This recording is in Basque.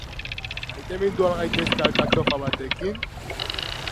Maitemindu al gaitezke alkatxofa batekin?